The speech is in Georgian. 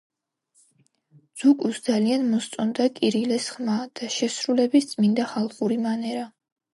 ძუკუს ძალიან მოსწონდა კირილეს ხმა და შესრულების წმინდა ხალხური მანერა.